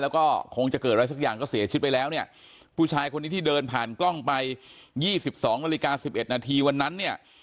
แล้วก็คงจะเกิดอะไรสักอย่างก็เสียชีวิตไปแล้วเนี่ยผู้ชายคนนี้ที่เดินผ่านกล้องไป๒๒นาฬิกา๑๑นาทีวันนั้นเนี่ย